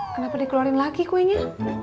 kenapa dikeluarin lagi kuenya